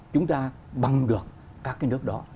chúng ta băng được các cái nước đó